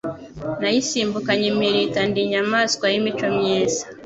nayisimbukanye impirita ndi inyamaswa y'imico myiza